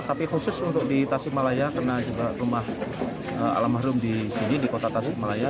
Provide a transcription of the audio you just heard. tapi khusus untuk di tasik malaya karena rumah alam harum di sini di kota tasik malaya